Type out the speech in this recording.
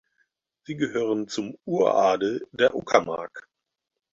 Sie gehören zum Uradel der Uckermark.